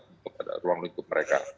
untuk ruang lingkup mereka